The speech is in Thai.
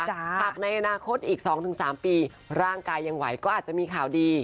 หากในอนาคตอีก๒๓ปีร่างกายยังไหวก็อาจจะมีข่าวดี